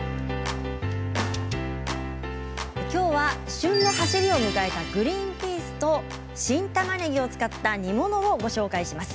今日は旬のはしりを迎えたグリンピースと新たまねぎを使った煮物をご紹介します。